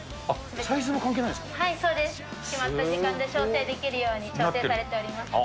決まった時間で焼成できるように調整されております。